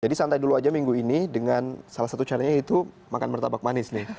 jadi santai dulu aja minggu ini dengan salah satu caranya itu makan martabak manis nih